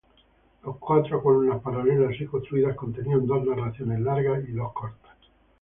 Las cuatro columnas paralelas así construidas contenían dos narraciones largas y dos cortas.